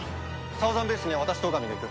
サウザンベースには私と尾上が行く。